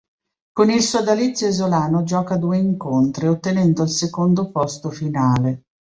Con il sodalizio isolano gioca due incontri, ottenendo il secondo posto finale.